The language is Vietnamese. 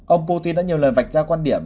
ông putin đã nhiều lần vạch ra quan điểm